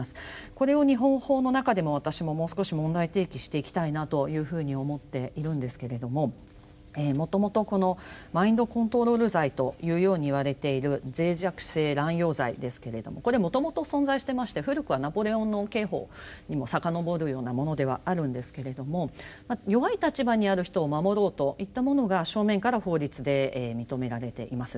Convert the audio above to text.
これを日本法の中でも私ももう少し問題提起していきたいなというふうに思っているんですけれどももともとこのマインドコントロール罪というようにいわれている脆弱性乱用罪ですけれどもこれもともと存在してまして古くはナポレオンの刑法にも遡るようなものではあるんですけれども弱い立場にある人を守ろうといったものが正面から法律で認められています。